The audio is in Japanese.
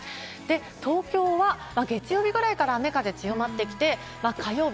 東京は月曜日ぐらいから雨風強まってきて、火曜日、